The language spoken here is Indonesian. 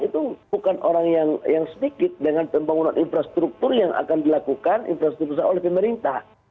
itu bukan orang yang sedikit dengan pembangunan infrastruktur yang akan dilakukan infrastruktur oleh pemerintah